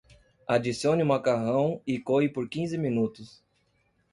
Adicione o macarrão e coe por quinze minutos.